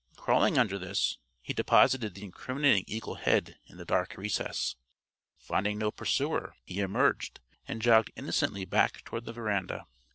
Crawling under this, he deposited the incriminating eagle head in the dark recess. Finding no pursuer, he emerged and jogged innocently back toward the veranda.